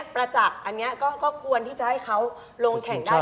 ประจักษ์อันนี้ก็ควรที่จะให้เขาลงแข่งได้